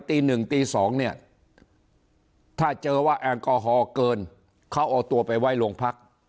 ตีหนึ่งตี๒เนี่ยถ้าเจอว่าแอลกอฮอลเกินเขาเอาตัวไปไว้โรงพัก